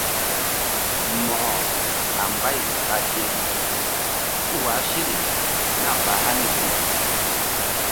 Mo̧ko a mbay ɓa ge tul wah seɗe nah ba hani pi.